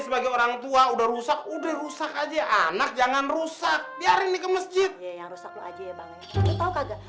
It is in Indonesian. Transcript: sebagai orangtua udah rusak udah rusak aja anak jangan rusak biar ini ke masjidnya